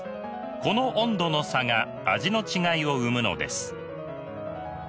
この温度の差が味の違いを生むのです。